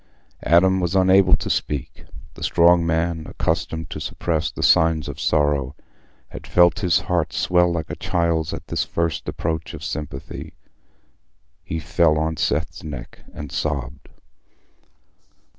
Adam was unable to speak. The strong man, accustomed to suppress the signs of sorrow, had felt his heart swell like a child's at this first approach of sympathy. He fell on Seth's neck and sobbed.